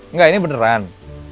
enggak ini beneran